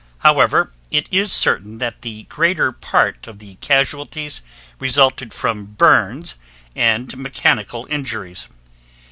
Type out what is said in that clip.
However, it is certain that the greater part of the casualties resulted from burns and mechanical injures.